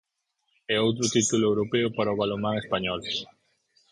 E outro título europeo para o balonmán español.